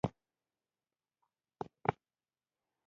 د ایران پولي واحد ریال دی.